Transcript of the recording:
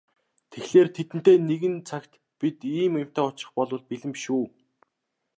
Тэгэхлээр тэдэнтэй нэгэн цагт бид ийм юмтай учрах болбол бэлэн биш үү?